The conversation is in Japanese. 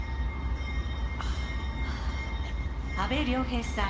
阿部亮平さん